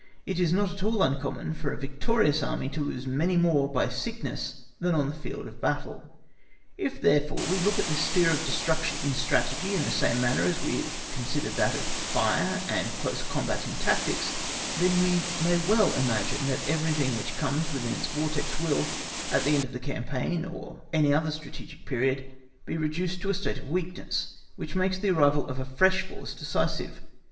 It is not at all uncommon for a victorious Army to lose many more by sickness than on the field of battle. If, therefore, we look at this sphere of destruction in Strategy in the same manner as we have considered that of fire and close combat in tactics, then we may well imagine that everything which comes within its vortex will, at the end of the campaign or of any other strategic period, be reduced to a state of weakness, which makes the arrival of a fresh force decisive.